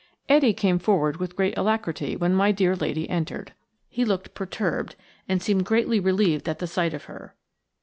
Etty came forward with great alacrity when my dear lady entered. He looked perturbed, and seemed greatly relieved at sight of her.